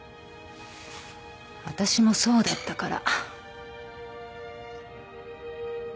私もそうだったから。